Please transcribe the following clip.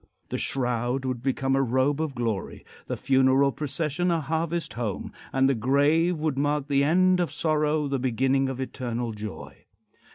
The shroud would become a robe of glory, the funeral procession a harvest home, and the grave would mark the end of sorrow, the beginning of eternal joy.